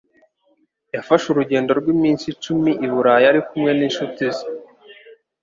Yafashe urugendo rw'iminsi icumi i Burayi ari kumwe n'inshuti ze.